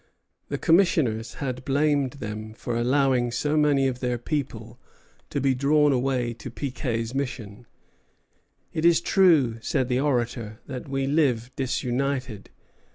The commissioners had blamed them for allowing so many of their people to be drawn away to Piquet's mission. "It is true," said the orator, "that we live disunited.